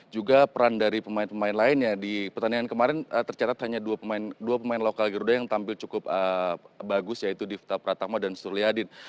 juga peran dari pemain pemain lainnya di pertandingan kemarin tercatat hanya dua pemain lokal garuda yang tampil cukup bagus yaitu difta pratama dan surliadin